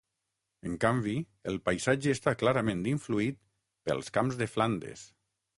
En canvi, el paisatge està clarament influït pels camps de Flandes.